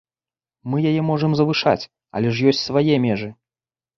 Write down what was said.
Мы яе можам завышаць, але ж ёсць свае межы.